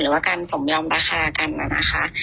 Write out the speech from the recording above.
หรือว่าการสมยอมราคากันนะคะ